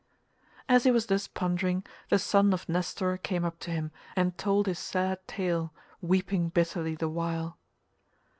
As he was thus pondering, the son of Nestor came up to him and told his sad tale, weeping bitterly the while.